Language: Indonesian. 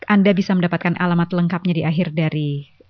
anda bisa mendapatkan alamat lengkapnya di akhir dari